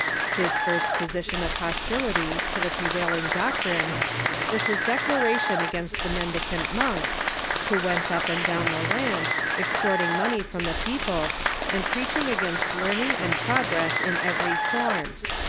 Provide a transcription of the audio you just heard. His first position Wycliffe ... of hostility to the prevailing doctrines Avas his declara tion against the mendicant monks, who went up and down the land, extorting money from the people, and preaching against learning and progress in every form.